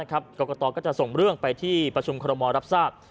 กรกตก็จะส่งเรื่องไปที่ประชุมคอรมอลรับทราบ